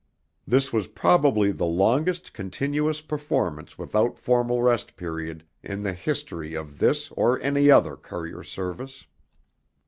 This was probably the longest continuous performance without formal rest period in the history of this or any other courier service.